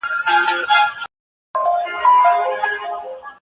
قورچي باشي د پادشاه د پټو رازونو ساتونکی و.